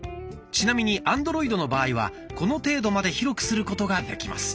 ちなみにアンドロイドの場合はこの程度まで広くすることができます。